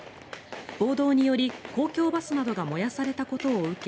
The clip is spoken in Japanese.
暴動により公共バスなどが燃やされたことを受け